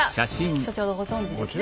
所長ご存じですね？